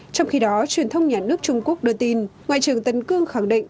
trong khi đó truyền thông nhà nước trung quốc đưa tin ngoại trưởng tấn cương khẳng định